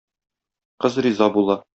Кыз риза була.